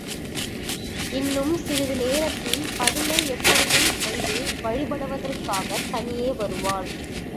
இன்னும் சிறிது நேரத்தில் பதுமை எப்படியும் அங்கே வழிபடுவதற்காகத் தனியே வருவாள்.